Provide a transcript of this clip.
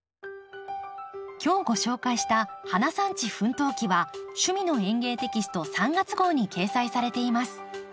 今日ご紹介した「花産地奮闘記」は「趣味の園芸」テキスト３月号に掲載されています。